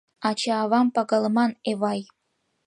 Ача-авам пагалыман, Эвай.